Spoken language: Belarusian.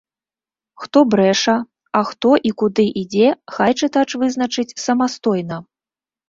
Хто брэша, а хто і куды ідзе, хай чытач вызначыць самастойна.